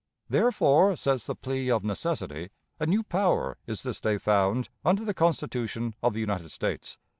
Therefore, says the plea of necessity, a new power is this day found under the Constitution of the United States.